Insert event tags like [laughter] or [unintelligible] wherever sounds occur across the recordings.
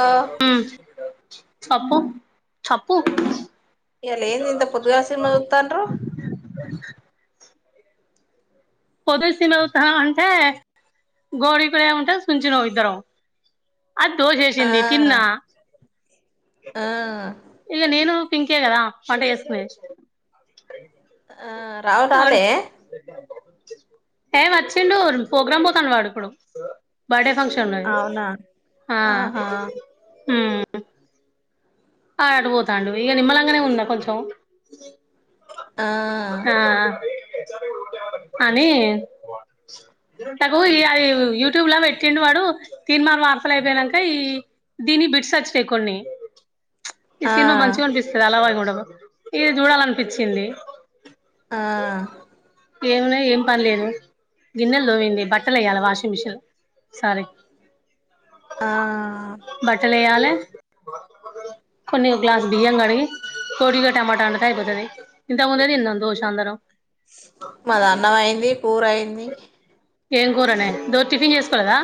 ఆ మ్మ్ చప్పు చప్పూ ఇయాల ఏంది ఇంత పొద్దుగాల సినిమా జుత్తండ్రు పొద్దున సినీమా చూతాన్నామ్ అంటే గోడికు ఏ ఉంటే సుంచినాం ఇద్దరం అది ఆ దోసేసింది తిన్నా ఆ ఇగ నేను ఇంకే కదా వంట చేసుకునే ఆ రావ్ రాలే ఏ వచ్చిండు ప్రోగ్రామ్ పోతాను వాడు ఇప్పుడు బర్డే ఫంక్షన్ లోవి అవునా ఆ ఆహా హ్మ్ అ ఆ ఆడు అటు పోతాండు ఇగ నిమ్మలంగానే ఉన్నా కొంచెం ఆ ఆ అని టకు అది యూట్యూబ్ లా పెట్టిండు వాడు, తీన్మార్ వార్తలు అయిపోనాక ఈ దీన్ని బిట్స్ వచ్చాయి కొన్ని. ఈ ఆ సీన్ లో మంచిగా అనిపిస్తది అలా వైకుంఠం ఇది చూడాలనిపించింది ఆ ఏం ఉన్నాయి ఏం పని లేదు గిన్నెలు దోమింది బట్టలు వేయ్యాలి వాషింగ్ మిషిన్ సారీ. ఆ బట్టలు వేయాలి కొన్ని ఒక గ్లాస్ బియ్యం కడిగి తోడిగా టమాటా, వండితే అయిపోతది ఇంత ముందే తిన్నాం దోష అందరం. మాది అన్నం అయింది కూర అయింది ఏం కూరనే ఈ రోజు టిఫిన్ చేసుకోలేదా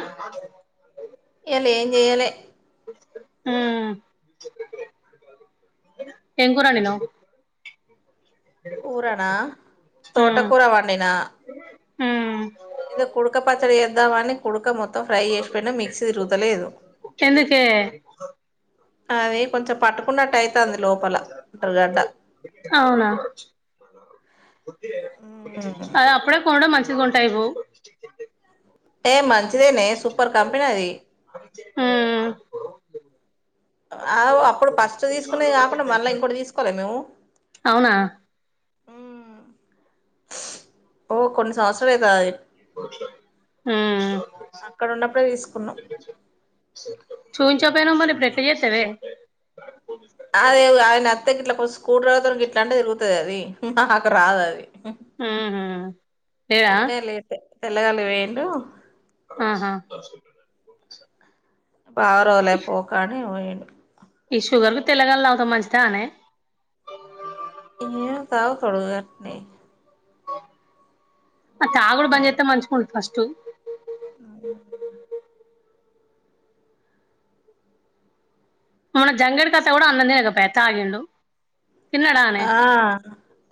రాల ఏం చేయాలి ఏం కూర వండినావ్ కూరనా తోటకూర వండినా హ ఏదో కొడుక పాచ్చడి ఎద్దావా కొడుక మొత్తం ఫ్రై చేసిపోయినా మిక్సీ తిరుగుతలేదు ఎందుకే అదే కొంచెం పాటు చెప్పున్నట్టు అయితుంది లోపల అంటరుగడ్డ అవునా గు ఉంటాయిపో టే మంతస్ ఇదేనే సూపర్ కంపెనీ అది హ్మ్ అ అప్పుడు ఫస్ట్ తీసుకునేది కాకుండా మళ్ళా ఇంకోటి తీసుకోలే మేము అవునా ఓ కొన్ని సంవత్సరాలు అదా అక్కడ ఉన్నప్పుడే తీసుకున్నాం చూంచ మరి బెట చేస్తవ అ ఇట్లా [unintelligible] కొంచ స్కూడ్రవర్ ఇట్లాంటే తిగుతుది అది నా అక్కడ రాదు అది హ్మ్ ఈయనేలేట్ తెల్లగాలిపోయిండు అచ్ బ ఆరవలే పోకని ఈ షుగర్ లు తెల్లగల అలావుతా మంచిద అనే ఇ కావు సడ కనీ అతాగుడుబంద్ చెత మంచిగుంట పస్ట్ మన జంగడ్ కథ కూడా అన్నంతినకప తా గిండు ఆ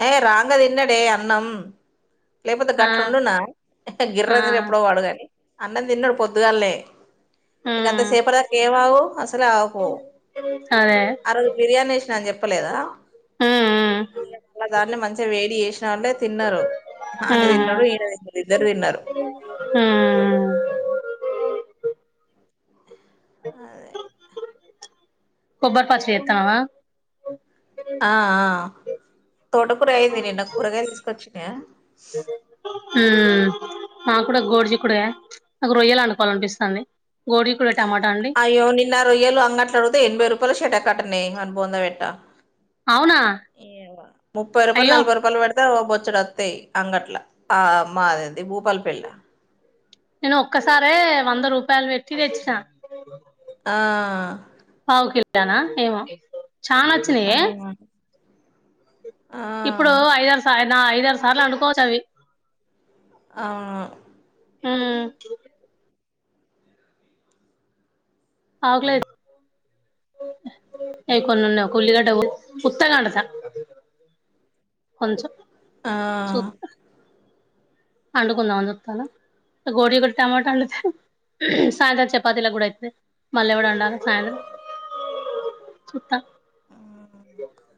ఏ రాంగదిన్నడే అన్నం లేకపోతే ఆ గట్లు ఉండున్న ఆ గిర్రంనితిరిగి ఎప్పుడో పడుగాని అన్నం తిన్నాడు పొద్దుగాల్లే ఇకంత ఉమ్ సేపటి దక ఏమ ఆగు అసలే ఆకు అదే ఆ రోజు బిర్యానీ చెసినా అని చెపు చెప్పలేదా ఉమ్ ఈ మళ్ళ దాన్ని మంచిగా వేడి చేసిన వాంటే తిన్నారు ఆయన ఉమ్ తిన్నారు ఈయన ఇద్దరు తిన్నారు ఉమ్ కొబ్బరిపచ్చడి చేత్తన్నావా ఆ ఆ తోట కూర అయిింది నిన్న కూరగాయలుతీసుకొచ్చి తెమ [unintelligible] ఉ మాకుడ గోరుజీకుడు కాయనా [unintelligible] అయ్యో నిన్న రొయ్యలు అంగట్లాడితే ఎనభై రూపా పలుసటే కట్టనే అన్ని బొంద బెట్టా అవునా ఏ ముప్పై రూపాయలు అయ్యో నలభై రూపాయలు పడ ఇద్ద బొచ్చడు వత్తాయి అంగట్ల ఆ అమ్మా అది భూపాల పెళ్లి నేను ఒక్కసారే వంద వంద రూపాయలు పెట్టి తెచ్చినా ఆ దానా ఏమో చా నావచ్చినా ఎ అవును. ఆ ఇప్పుడు ఐదారు సార్ నా ఐదారు సార్లు అనుకోవచ్చు అవి అవును ఉమ్ అవట్లేదు ఓ మ్ అవికొన్ని ఉండ ఒక హ్మ్. ఉల్లిగడ్డ కోస్ ఉత్తగాఅందుతా కొంచం ఆ వండుకుందామని చుతానగోడిగు డ్డుటమాటా వండితే సాయంత్రం చపాతీలకు కూడా అయితుంది మళ్ళీ కూడా వండాలి సాయంత్రం చుత్త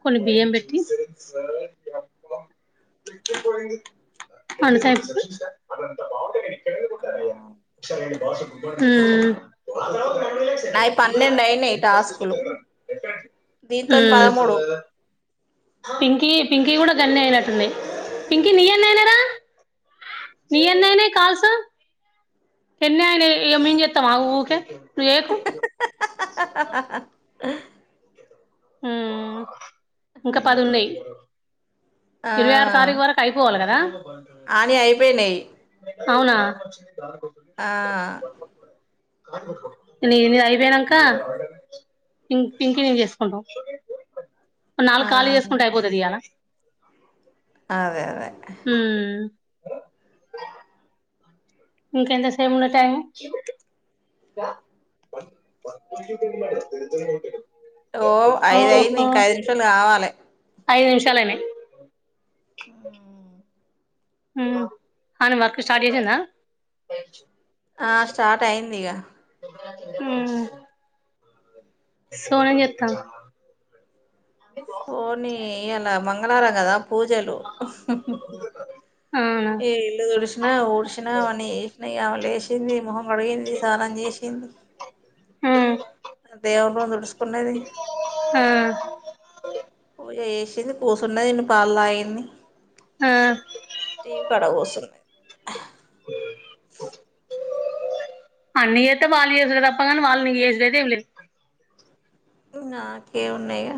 కొన్ని బియ్యం పెట్టి వండితె అదంత భా నాయి పన్నెండు అయినాయి టాస్కులు దీంతో పదమూడు పింకీ పింకీ కూడా గన్నీ అయినట్టునాయ్ పింకీ నీ ఎన్నిఅయినాయ్ రా నీ ఎన్ని అయినారా కాల్స్ ఎన్ని అయినాయి ఇక మేము చేస్తామా ఊకే నువ్వు ఏకు ఆ ఉమ్ ఇంకా పది ఉన్నాయి ఇరువై ఆరు తారీకు వరకు అయిపోవాలి కదా అనియి అయిపోయినాయి అవునా ఆ నీ నీ అయిపోనాక పిం పింకి నేను చేస్తా హలో ఆ నాలుగు కాళ్ళ చేసుకుంటే అయిపోతుది ఇయ్యాల అదే అదే హ ఇంకా ఎంత సేపు ఉన్నది టైమ్ ఓ ఐదయింది ఇంకా ఐదు నిమిషాలు కావాలి ఐదు నిమిషాలనా కానీ వర్క్ స్టార్ట్ అయిందా ఆ స్టార్ట్ అయింది ఇక హ సోనీ ఏం చెత్త సోనీ ఇ మంగ మంగళావారం కదా పూజలు అవునా ఈ ఇల్లు తొడిసినా ఊడిసినా అవన్నీ వసినా కా లేసింది మొహం కడిగింది స్నానం చేసింది ఉమ్ దేవు పన్నది అ పూజ చేసింది కూసున్నది ఇన్ని పాలు తాగింది ఆ టీ పడ కోసున్నా అన్న చేస్తే అత్తా వాళ్ళు నీకు చేసుడు ఏం లేదు నాకే ఉన్నాయిగా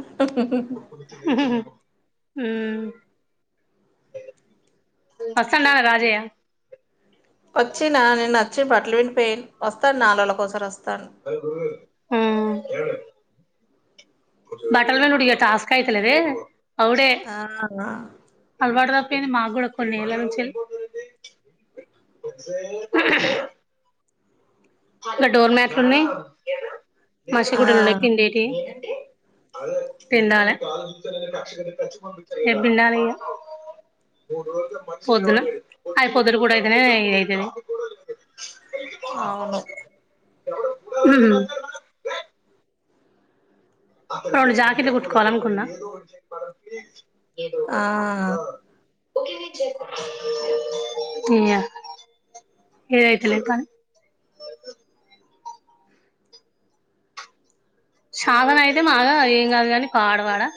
ఉ ఊ హు ఉ వస్తండ రాజయ్య వచ్చిన నేను వచ్చిన బట్టలు పిండి పోయిన వస్తాను నాలుగు ఎన్ని రోజులకు ఒకసారి వస్తాను ఊ బట్టలు పిండుడు టాస్క్ అయితలేదా ఇగ అప్పుడే ఆ అలవాటు తప్పదు ఇగ ఇంకేంటి మాకు కూడా కొన్ని ఏళ్ల నుంచి అక్కడ డోర్ మ్యాట్లు ఉన్నాయి మసి ఆ గుడ్డలు ఉన్నాయి పిండేటి పిండాలి ఏ పిండాలి ఈగ పొద్దులు అవి పొద్దులు పూటఅయితేనే అయితది అవును ఉ రెండు జాకెట్లు కుట్టుకోవాలనుకున్నా ఆ తియ్యే ఏదైతే లే కానీ సాతనైతే మాగా ఏం కాదు కాని పాడుగాను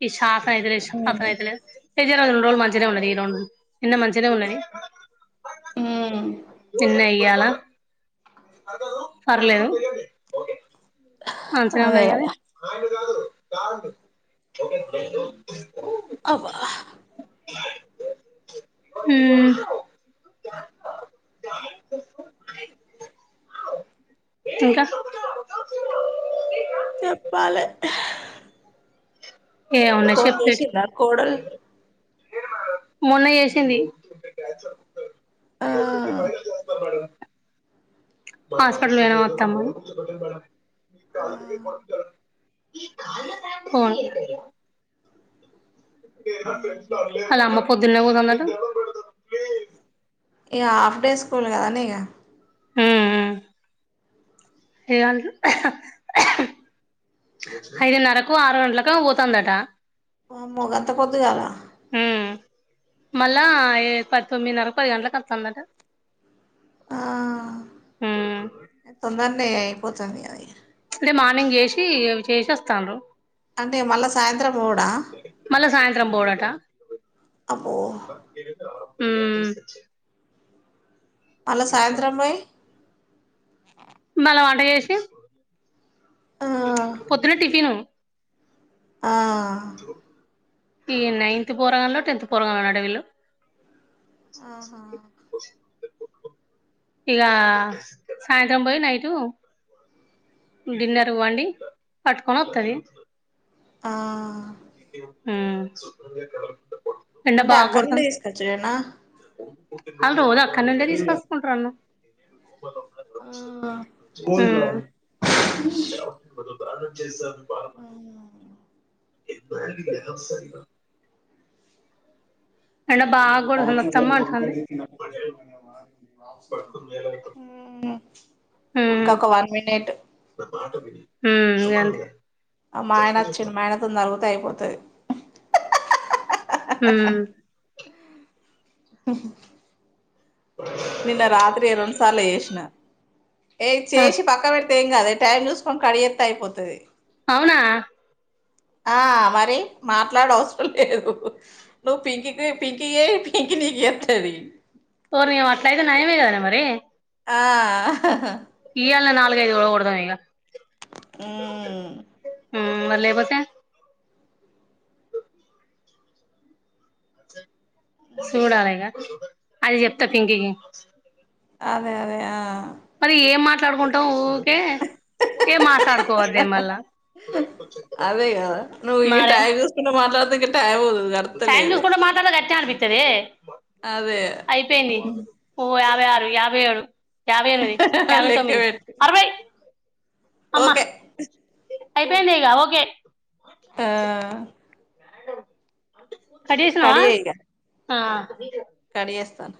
[unintelligible] రెండు రోజులు మంచినే ఉన్నది ఈ రెండు నిన్న మంచినే ఉన్నది ఉ నిన్న ఇయ్యాల పర్లేదు మంచిగానే అదే ఉన్నాయి గాని కదా [unintelligible] అవ్వ ఉ ఇంకా చెప్పాలే ఏముంది ఫోన్ చెప్పేటి చేసిందా కోడలు మొన్న చేసింది ఆ వీడియో వైరల్ చేస్తారు మేడమ్ హాస్పిటల్ పోయినంఅత్తమ్మ ఆ అను అలా అమ్మ పొద్దున్ననే పోతుందట ఈగ హాఫ్ డే స్కూల్ కదా ఈగ ఉ ఉ ఐదున్నర ఆరు గంటలలకు పోతుందట వామ్మో గంత పొద్దుగాల ఉ మల్ల పది తొమ్మిదిన్నర పది గంటలకులకు వస్తుందట ఆ తొందర నే అయి పొత్తది ఇగ అదే మార్నింగ్ చేసి చేసేస్తాను అంటే మళ్ళా సాయంత్రం కూడా మళ్ళా సాయంత్రం పోడట అమో మ్ మళ్ళా సాయంత్రం బొయ్ మళ వంట చేసి ఆ పొద్దున్న టిఫినూ ఆ ఈ నైన్త్ పోరగాలో టెన్త్ పోరగాలో అట వీళ్ళు ఆహా ఇగ సాయంత్రం పోయి నైటూ డిన్నరు వ్వండి పట్టుకొని వత్తది ఆ మ్ అంటే అక్కడ నుండి తీసుకొచ్చుడేనా ఓకే ఆళ్ళు రోజు అక్కడి నుండే తీసుకొసుకుంటురన్నం హ్మ్మ్ ఆ బానే చేసారు హ్మ్మ్ [unintelligible] ఎండ బాగా కొడుతుంది అత్తమ్మ అంటుంది హ్మ్మ్ ఉమ్ ఇంకొక్క వన్ మినిట్ హ్మ్మ్ ఇగంతె ఆ మా ఆయనచ్చిండు మాయనతోని తలుగుతే అయిపోతది హ్మ్మ్ నిన్న రాత్రి రెండు సార్ల చేసిన ఏయ్ ఆ చేసి పక్కక్ పెట్టీ తే ఏం కాదా టైం చూసుకోని కడ్ చేత్తే అయిపోతది అవునా ఆ మరి మాట్లాడ అవసరం లేదు నువ్వు పింకికి పింకియే పింకి నీకు చేతది. ఓర్నియవ అట్లాయితే నయమే కదా మరి ఆ ఇయాల్నే నాలుగైదు ఒడగొడదాం ఇగ మ్మ్ హ్మ్మ్ మరి లేకపోతే చూడాలిగా అది చెప్తా పింకికి అదే అదే ఆ మరి ఏం మాట్లాడుకుంటాం ఊ మళ్ళా అదే కదా నువ్వు ఈ మరే టైమ్ చూసుకుంటే మాట్లాడుతే టైం చూసుకుంట మాట్లాడితే గట్నే రే అదే అయిపోయినై ఆరు యాభై ఏడు యాభై ఎనిమిది యాభై లెక్క తొమ్మిది పెట్టు అరవై ఓకే అయిపోయిందిక ఓకే ఆ హలో కట్ చేసినావా ఆ కర్రీ చేస్తానా